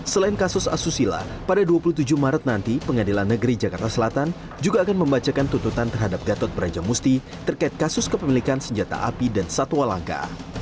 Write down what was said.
selain kasus asusila pada dua puluh tujuh maret nanti pengadilan negeri jakarta selatan juga akan membacakan tuntutan terhadap gatot brajamusti terkait kasus kepemilikan senjata api dan satwa langka